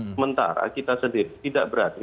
sementara kita sendiri tidak berani